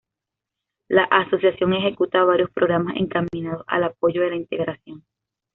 La Asociación ejecuta varios programas encaminados al apoyo de la Integración.